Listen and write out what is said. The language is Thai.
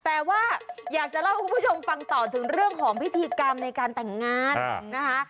แต่ว่าอยากจะเล่าให้คุณผู้ชมฟังต่อถึงเรื่องของพิธีกรรมในการแต่งงานนะคะ